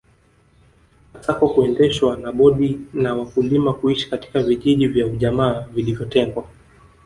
Masoko kuendeshwa na bodi na wakulima kuishi katika vijiji vya ujamaa vilivyotengwa